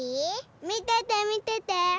みててみてて！